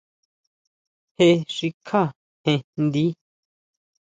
Jé xikjá jen njdi.